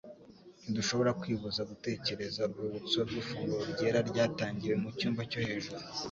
ntidushobora kwibuza gutekereza urwibutso rw'ifunguro ryera ryatangiwe mu cyumba cyo hejuru.